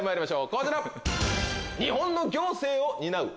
こちら。